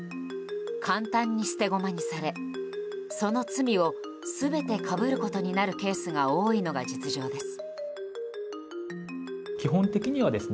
簡単に捨て駒にされ、その罪を全てかぶることになるケースが多いのが実情です。